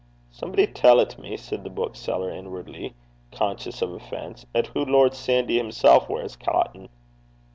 'Somebody tellt me,' said the bookseller, inwardly conscious of offence, ''at hoo Lord Sandy himsel' weirs cotton.'